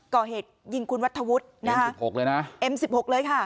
ก่อเหตุยิงคุณวัฒวุฒินะคะสิบหกเลยนะเอ็มสิบหกเลยค่ะ